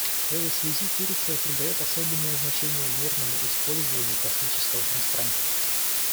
В этой связи Турция придает особенное значение мирному использованию космического пространства.